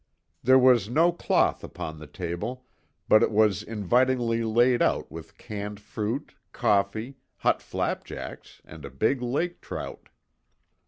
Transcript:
There was no cloth upon the table, but it was invitingly laid out with canned fruit, coffee, hot flapjacks, and a big lake trout.